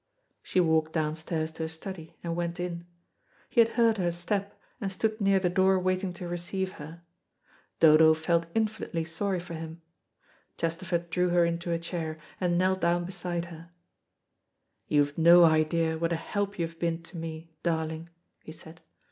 She walked downstairs to his study, and went in. He had heard her step, and stood near the door waiting to receive her. Dodo felt infinitely sorry for him. Chesterford drew her into a chair, and knelt down beside her. "You've no idea what a help you have been to me, darling," he said.